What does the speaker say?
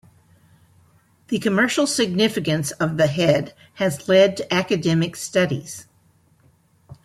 The commercial significance of the head has led to academic studies.